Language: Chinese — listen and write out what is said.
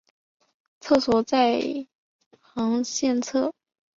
厕所在下行线侧。